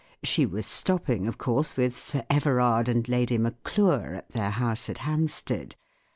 She was stopping, of course, with Sir Everard and Lady Madure at their house at Hampstead.